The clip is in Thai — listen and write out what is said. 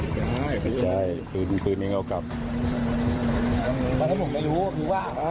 คนโดนยิงผมก็วิ่งกันนะ